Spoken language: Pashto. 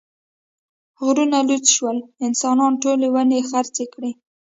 غرونه لوڅ شول، انسانانو ټولې ونې خرڅې کړې.